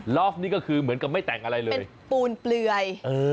อฟนี่ก็คือเหมือนกับไม่แต่งอะไรเลยปูนเปลือย